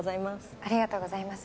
ありがとうございます。